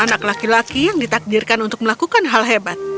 anak laki laki yang ditakdirkan untuk melakukan hal hebat